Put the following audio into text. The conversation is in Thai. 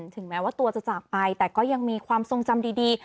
ถึงแม้ว่าตัวจะจากไปแต่ก็ยังมีความทรงจำดี